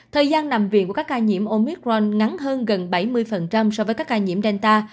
thời gian nằm viện của các ca nhiễm omicron ngắn hơn gần bảy mươi so với các ca nhiễm delta